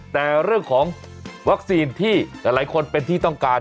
แต่เรื่องของวัคซีนที่หลายคนเป็นที่ต้องการ